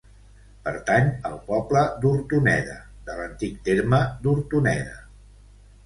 Pertany al poble d'Hortoneda, de l'antic terme d'Hortoneda.